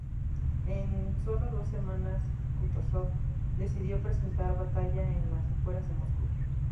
En sólo dos semanas, Kutúzov decidió presentar batalla en las afueras de Moscú.